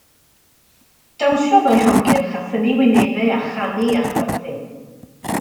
Dawnsiodd o'i hamgylch a thynnu wynebau a chanu a chwerthin.